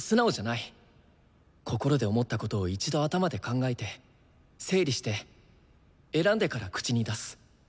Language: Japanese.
心で思ったことを一度頭で考えて整理して選んでから口に出す。